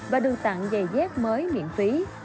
và được tặng giày dép mới miễn phí